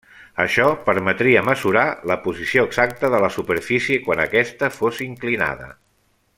Això permetria mesurar la posició exacta de la superfície quan aquesta fos inclinada.